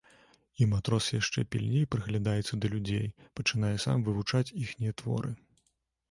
І матрос яшчэ пільней прыглядаецца да людзей, пачынае сам вывучаць іхнія творы.